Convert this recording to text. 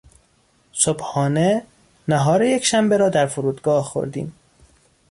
صبحانه - نهار یکشنبه را در فرودگاه خوردیم.